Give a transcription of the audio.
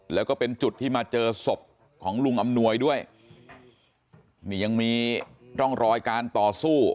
แล้วก็เป็นจุดที่มาเจอศพของลุงอำนวยด้วยนี่ยังมีร่องรอยการต่อสู้